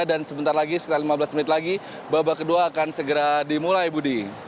dan sebentar lagi sekitar lima belas menit lagi babak kedua akan segera dimulai budi